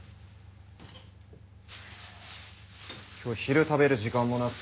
今日昼食べる時間もなくて。